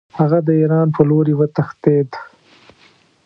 هغه د ایران په لوري وتښتېد.